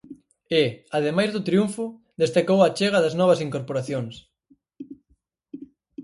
E, ademais, do triunfo, destacou a achega das novas incorporacións.